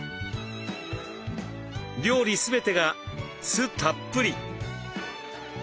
料理全てが酢たっぷり。